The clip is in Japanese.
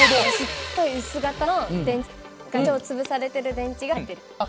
すっごい薄型の電池が超潰されてる電池が入ってる。